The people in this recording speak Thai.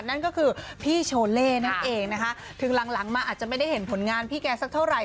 นั่นก็คือพี่โชเล่นั่นเองนะคะถึงหลังมาอาจจะไม่ได้เห็นผลงานพี่แกสักเท่าไหร